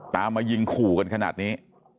ตามมายิงขู่กันขนาดนี้